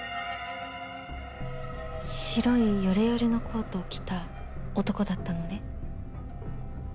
白いヨレヨレのコートを着た男だったのね？